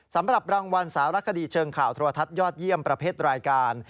สำหรับรางวัลสารคดีเชิงข่าวโทรทัศน์ยอดเยี่ยมประเภทรายการ